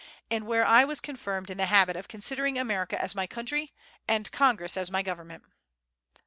and where I was confirmed in the habit of considering America as my country and Congress as my government."